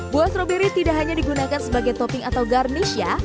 buah stroberi tidak hanya digunakan sebagai topping atau garnish ya